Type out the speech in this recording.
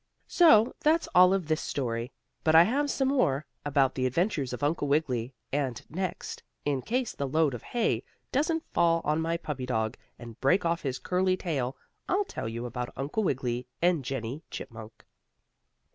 So that's all of this story, but I have some more, about the adventures of Uncle Wiggily, and next, in case the load of hay doesn't fall on my puppy dog, and break off his curly tail, I'll tell you about Uncle Wiggily and Jennie Chipmunk.